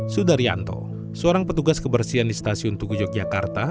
sudaryanto seorang petugas kebersihan di stasiun tugu yogyakarta